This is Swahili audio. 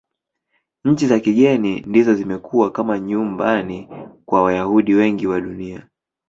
Nchi za kigeni ndizo zimekuwa kama nyumbani kwa Wayahudi wengi wa Dunia.